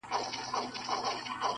ته مجرم یې ګناکاره یې هر چاته,